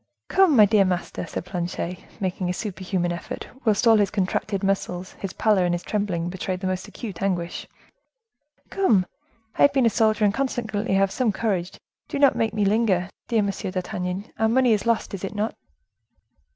"Come! my dear master," said Planchet, making a super human effort, whilst all his contracted muscles, his pallor and his trembling betrayed the most acute anguish. "Come! I have been a soldier and consequently have some courage; do not make me linger, dear Monsieur d'Artagnan; our money is lost, is it not?"